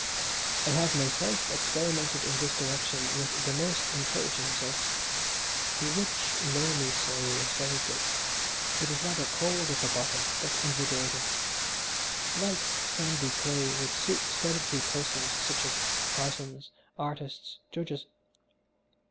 I have myself experimented in this direction with the most encouraging results. A rich, loamy soil is very good it is rather cold at the bottom, but invigorating. Light, sandy clay would suit sedentary persons such as parsons, artists, judges.